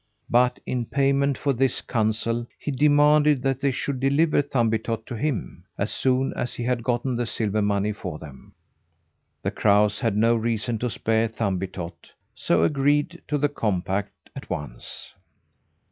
But in payment for this counsel, he demanded that they should deliver Thumbietot to him, as soon as he had gotten the silver money for them. The crows had no reason to spare Thumbietot, so agreed to the compact at once.